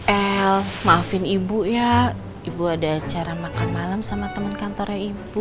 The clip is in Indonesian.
el maafin ibu ya ibu ada cara makan malam sama teman kantornya ibu